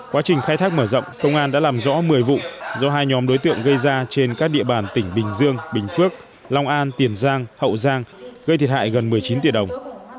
quá trình khai thác mở rộng công an đã làm rõ một mươi vụ do hai nhóm đối tượng gây ra trên các địa bàn tỉnh bình dương bình phước long an tiền giang hậu giang gây thiệt hại gần một mươi chín tỷ đồng